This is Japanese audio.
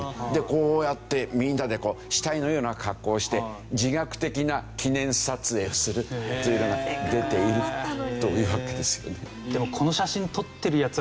こうやってみんなで死体のような格好をして自虐的な記念撮影をするというのが出ているというわけですよね。